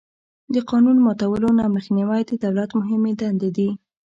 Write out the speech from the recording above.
د قانون ماتولو نه مخنیوی د دولت مهمې دندې دي.